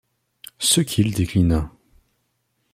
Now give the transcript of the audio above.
Ce qu'il déclina.